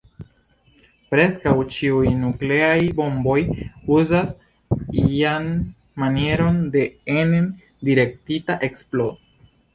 Preskaŭ ĉiuj nukleaj bomboj uzas ian manieron de enen direktita eksplodo.